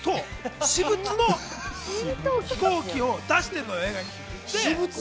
私物の飛行機を出してるのよ。